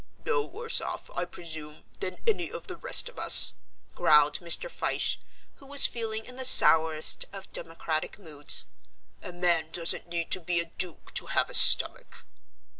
"No worse off, I presume, than any of the rest of us," growled Mr. Fyshe, who was feeling in the sourest of democratic moods; "a man doesn't need to be a duke to have a stomach."